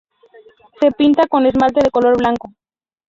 Se pinta con esmalte de color blanco.